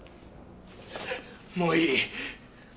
もういい。